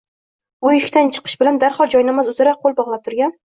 U eshikdan chiqishn bilan darhol joynamoz uzra qo'l bog'lab turgan